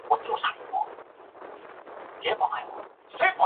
翁郭依等人归附土默特部。